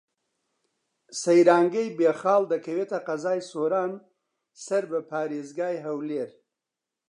سەیرانگەی بێخاڵ دەکەوێتە قەزای سۆران سەر بە پارێزگای هەولێر.